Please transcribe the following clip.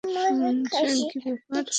শুনছেন, কী ব্যাপার?